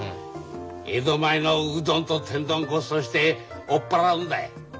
江戸前のうどんと天丼ごっそうして追っ払うんだい。